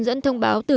dẫn thông báo từ